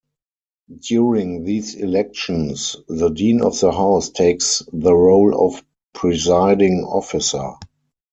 During these elections, the Dean of the House takes the role of presiding officer.